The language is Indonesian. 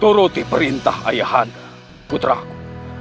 turuti perintah ayah anda putraku